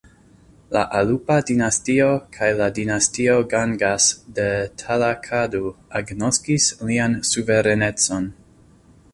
La Alupa dinastio kaj la dinastio Gangas de Talakadu agnoskis lian suverenecon.